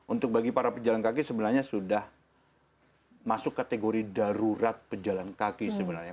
untuk bagi para pejalan kaki sebenarnya sudah masuk kategori darurat pejalan kaki sebenarnya